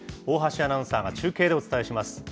大橋アナウンサーが中継でお伝えします。